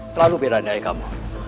selalu berani ayah kamu